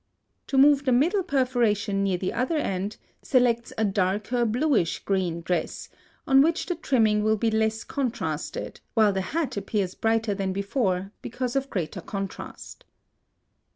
To move the middle perforation near the other end, selects a darker bluish green dress, on which the trimming will be less contrasted, while the hat appears brighter than before, because of greater contrast.